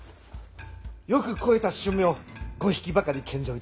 よく肥えた駿馬を５匹ばかり献上いたしまする。